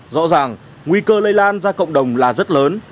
rõ ràng nguy cơ lây lan ra cộng đồng là rất lớn